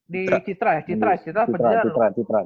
di citra ya citra pajajaran